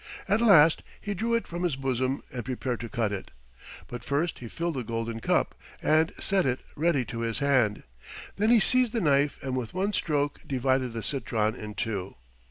At last he drew it from his bosom and prepared to cut it, but first he filled the golden cup and set it ready to his hand. Then he seized the knife and with one stroke divided the citron in two.